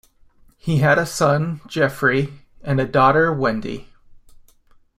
He had a son, Jeffery and a daughter, Wendy.